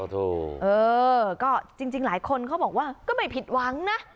เออก็จริงหลายคนเขาบอกว่าก็ไม่ผิดหวังนะ